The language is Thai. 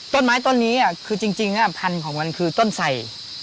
ต้นไม้ต้นนี้คือจริงพันธุ์ของมันคือต้นใส่